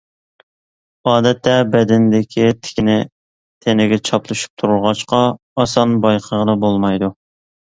ئادەتتە بەدىنىدىكى تىكىنى تېنىگە چاپلىشىپ تۇرغاچقا، ئاسان بايقىغىلى بولمايدۇ.